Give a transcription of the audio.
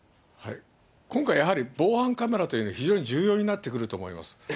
今回、やはり防犯カメラというのは非常に重要になってくると思います。